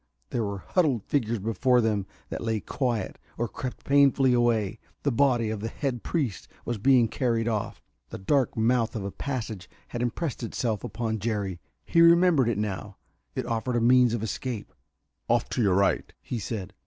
There were huddled figures before them that lay quiet or crept painfully away. The body of the head priest was being carried off. The dark mouth of a passage had impressed itself upon Jerry; he remembered it now. It offered a means of escape. "Off to your right," he said.